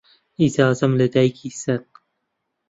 ئیجازەم لە دایکی سەن